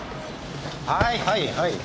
はいはいはい。